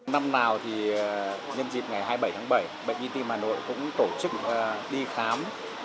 năm nào thì nhân dịp ngày hai mươi bảy tháng bảy bệnh viện tim hà nội cũng tổ chức đi khám